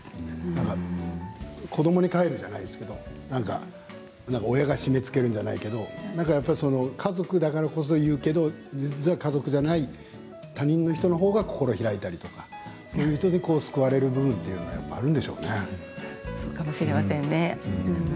なんか、子どもにかえるじゃないですけど親が締めつけるんじゃないけどやっぱりその家族だからこそ言うけど、実は家族じゃない他人の人のほうが心開いたりとかそういう人に救われる部分っていうのはそうかもしれませんね。